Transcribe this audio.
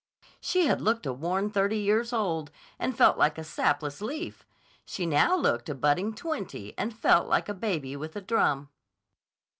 —she had looked a worn thirty years old and felt like a sapless leaf, she now looked a budding twenty and felt like a baby with a drum.